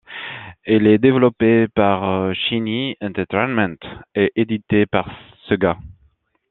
Il est développé par Shiny Entertainment et édité par Sega.